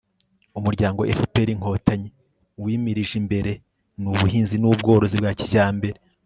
umuryango fpr – inkotanyi wimirije imbere ni ubuhinzi n'ubworozi bwa kijyambere